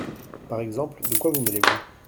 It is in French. Par exemple ! de quoi vous mêlez-vous ?